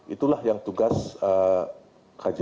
itulah yang tugas kjri